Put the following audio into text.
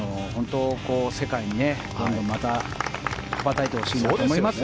世界にどんどん、また羽ばたいてほしいと思います。